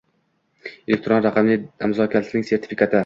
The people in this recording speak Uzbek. Elektron raqamli imzo kalitining sertifikati